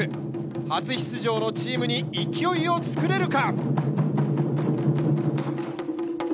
初出場のチームに勢いを作れるか。